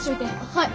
はい。